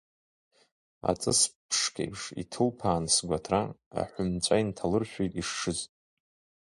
Аҵыс ԥшқеиԥш иҭылԥаан сгәы аҭра, аҳәынҵәа инҭалыршәит ишшыз…